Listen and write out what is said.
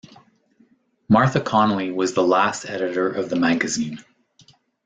Martha Connolly was the last Editor of the magazine.